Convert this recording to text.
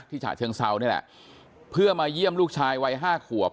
ฉะเชิงเซานี่แหละเพื่อมาเยี่ยมลูกชายวัยห้าขวบ